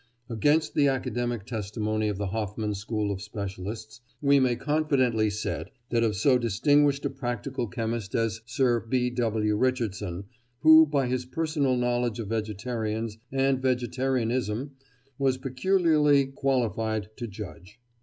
Against the academic testimony of the Hofmann school of specialists we may confidently set that of so distinguished a practical chemist as Sir B. W. Richardson, who, by his personal knowledge of vegetarians and vegetarianism, was peculiarly qualified to judge.